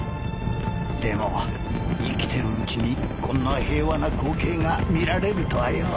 でも生きてるうちにこんな平和な光景が見られるとはよ。